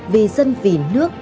vì dân vì nước